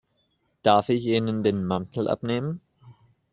Darf ich Ihnen den Mantel abnehmen?